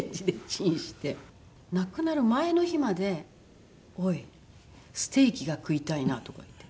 亡くなる前の日まで「おいステーキが食いたいな」とか言って。